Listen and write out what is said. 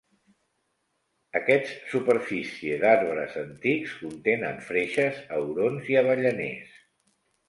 Aquests superfície d"arbres antics contenen freixes, aurons i avellaners.